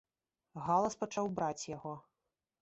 Галас пачаў браць яго.